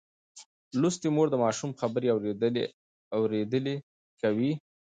لوستې مور د ماشوم خبرې اورېدلي کوي.